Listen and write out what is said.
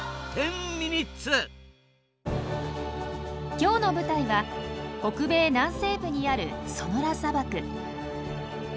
今日の舞台は北米南西部にあるソノラ砂漠。